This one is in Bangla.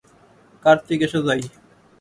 কার্তিক এসো যাই।